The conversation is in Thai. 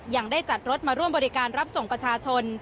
ยังได้จัดรถมาร่วมบริการรับส่งประชาชน